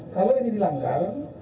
kalau ini dilanggar